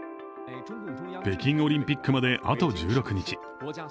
北京オリンピックまで、あと１６日。